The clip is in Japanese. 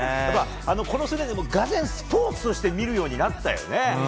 がぜんスポーツとして見るようになったよね。